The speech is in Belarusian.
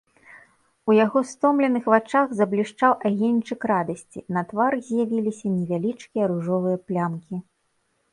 У яго стомленых вачах заблішчаў агеньчык радасці, на твары з'явіліся невялічкія ружовыя плямкі.